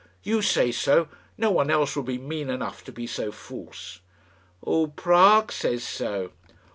You say so. No one else would be mean enough to be so false." "All Prague says so."